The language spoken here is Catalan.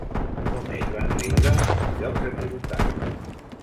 Només van riure als llocs equivocats.